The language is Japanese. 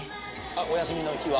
お休みの日は。